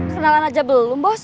kenalan aja belum bos